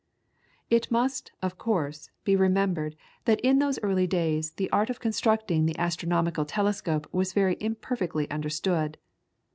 It must, of course, be remembered that in those early days the art of constructing the astronomical telescope was very imperfectly understood.